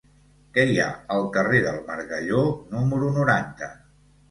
Què hi ha al carrer del Margalló número noranta?